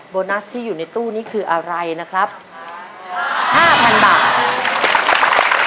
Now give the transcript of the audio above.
โบนัสที่อยู่ในตู้นี้คืออะไรนะครับห้าพันบาท